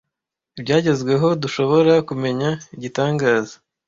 ibyagezweho dushobora kumenya igitangaza.